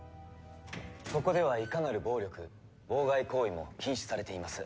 ここではいかなる暴力妨害行為も禁止されています。